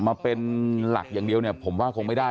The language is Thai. มาเป็นหลักอย่างเดียวเนี่ยผมว่าคงไม่ได้